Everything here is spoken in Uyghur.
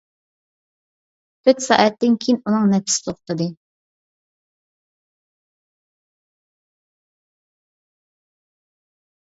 تۆت سائەتتىن كېيىن ئۇنىڭ نەپىسى توختىدى.